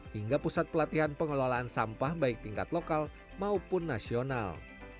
hingga pusat pelatihan pengelolaan sampah baik tingkat lokal maupun nasional